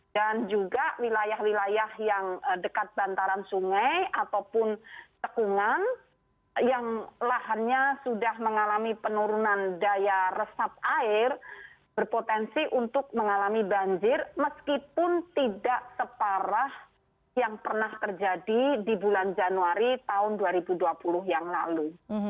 dan juga wilayah wilayah yang dekat bantaran sungai ataupun tekungan yang lahannya sudah mengalami penurunan daya resap air berpotensi untuk mengalami banjir meskipun tidak separah yang pernah terjadi di bulan januari tahun dua ribu dua puluh yang lalu